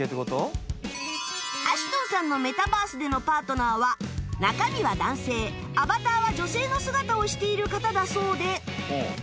アシュトンさんのメタバースでのパートナーは中身は男性アバターは女性の姿をしている方だそうで